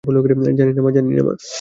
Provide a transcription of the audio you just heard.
জানি, মা।